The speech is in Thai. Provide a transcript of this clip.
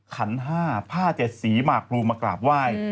ขันห้าผ้าเจ็ดสีมาครูมากราบไหว้